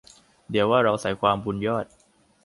เดี๋ยวว่าเราใส่ความ บุญยอด